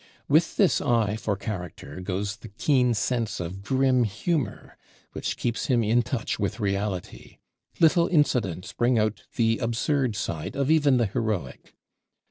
With this eye for character goes the keen sense of grim humor which keeps him in touch with reality. Little incidents bring out the absurd side of even the heroic.